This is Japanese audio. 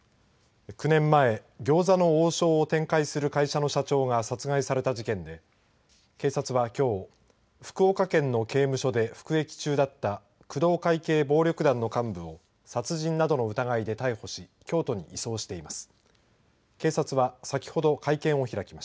９年前、餃子の王将を展開する会社の社長が殺害された事件で警察は、きょう福岡県の刑務所で服役中だった工藤会系暴力団の幹部を殺人などの疑いで逮捕し京都に輸送しています。